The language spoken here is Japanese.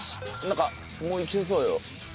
なんかもういきそうよ。